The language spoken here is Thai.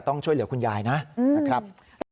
ต้องช่วยเหลือคุณยายนะครับ